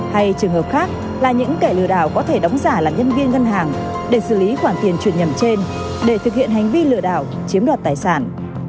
hay trường hợp khác là những kẻ lừa đảo có thể đóng giả là nhân viên ngân hàng để xử lý khoản tiền chuyển nhầm trên để thực hiện hành vi lừa đảo chiếm đoạt tài sản